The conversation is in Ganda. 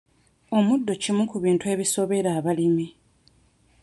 Omuddo kimu ku bintu ebisobera abalimi.